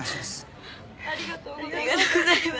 ありがとうございます。